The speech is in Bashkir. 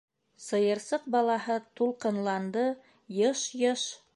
Сыйырсыҡ балаһы тулҡынланды, йыш-йыш: